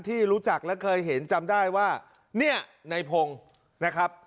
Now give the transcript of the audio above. ที่รู้จักและเคยเห็นจำได้ว่าเนี่ยในพงศ์นะครับ